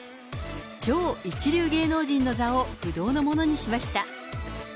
超一流芸能人の座を、不動のものにしました。